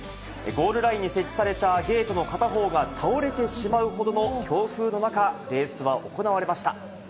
ゴールラインに設置されたゲートの片方が倒れてしまうほどの強風の中、レースは行われました。